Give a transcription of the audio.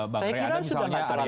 saya kira sudah nggak terlalu